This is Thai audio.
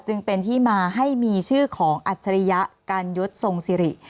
จึงเป็นที่มาให้มีชื่อของอัจฉริยะกันยศทรงสิริ